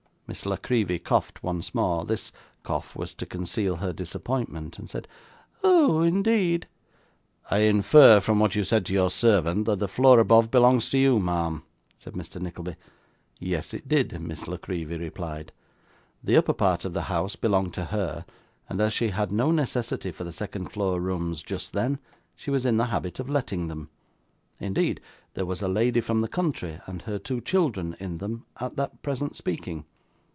Miss La Creevy coughed once more this cough was to conceal her disappointment and said, 'Oh, indeed!' 'I infer from what you said to your servant, that the floor above belongs to you, ma'am,' said Mr. Nickleby. Yes it did, Miss La Creevy replied. The upper part of the house belonged to her, and as she had no necessity for the second floor rooms just then, she was in the habit of letting them. Indeed, there was a lady from the country and her two children in them, at that present speaking.